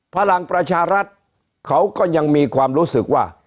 พลังประชารัฐเขาก็ยังมีความรู้สึกว่า